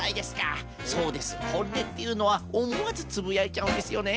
そうですほんねっていうのはおもわずつぶやいちゃうんですよね。